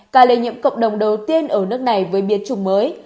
ca lây nhiễm cộng đồng đầu tiên ở nước này với biến chủng mới